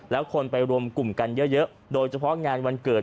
แล้วคนไปรวมกลุ่มกันเยอะโดยเฉพาะงานวันเกิด